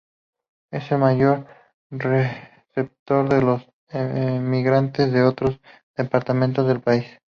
Es el mayor receptor de los emigrantes de otros departamentos del país.